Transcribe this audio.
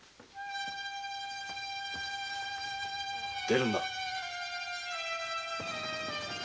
出るんだ！